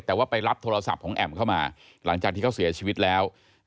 แต่ว่าไปรับโทรศัพท์ของแอมเข้ามาหลังจากที่เขาเสียชีวิตแล้ว